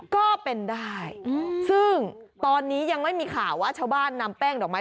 ก็เป็นได้ซึ่งตอนนี้ยังไม่มีข่าวว่าชาวบ้านนำแป้งดอกไม้